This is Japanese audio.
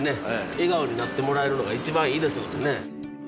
笑顔になってもらえるのが一番いいですもんね。